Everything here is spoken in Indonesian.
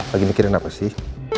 lagi mikirin apa sih